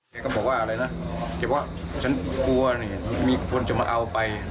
แกก็บอกว่าอะไรนะแกบอกว่าฉันกลัวนี่มีคนจะมาเอาไป